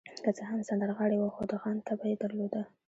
که څه هم سندرغاړی و، خو د خان طبع يې درلوده.